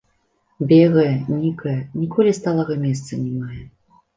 Бегае, нікае, ніколі сталага месца не мае.